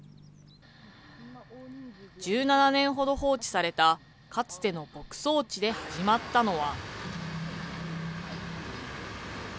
１７年ほど放置されたかつての牧草地で始まったのは。